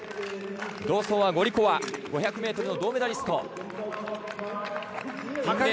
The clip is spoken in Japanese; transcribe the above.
同走はゴリコワ５００ｍの銅メダリスト。